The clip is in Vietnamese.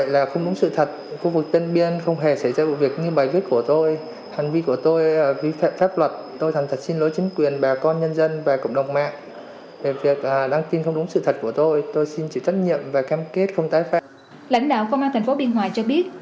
lãnh đạo công an tp biên hòa cho biết